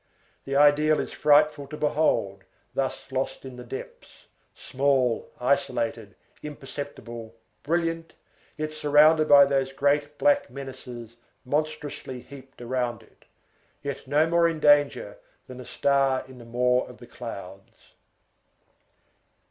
The ideal is frightful to behold, thus lost in the depths, small, isolated, imperceptible, brilliant, but surrounded by those great, black menaces, monstrously heaped around it; yet no more in danger than a star in the maw of the clouds.